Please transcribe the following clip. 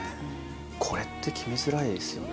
これって決めづらいですよね